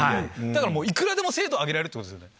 だから、いくらでも精度上げられるってことですよね。